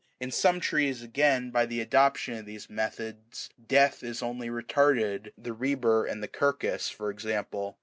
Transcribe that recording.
In some trees, again, by the adoption of these methods death is only retarded, the robur and the quercus,13 for example.